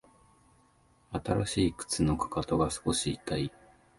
新しい靴のかかとが少し痛い